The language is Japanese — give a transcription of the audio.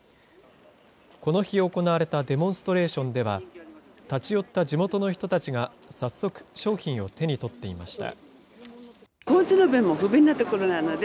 この日、行われたデモンストレーションでは、立ち寄った地元の人たちが早速、商品を手に取っていました。